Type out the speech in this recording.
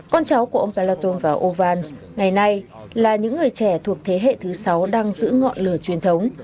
con cháu của ông platon và ovans ngày nay là những người trẻ thuộc thế hệ thứ sáu đang giữ ngọn lửa truyền thống